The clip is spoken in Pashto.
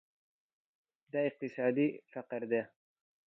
دا اقتصادي فقر ده.